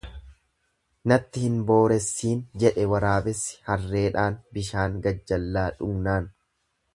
Natti hin booressiin jedhe waraabessi harreedhaan bishaan gajjallaa dhugnaan.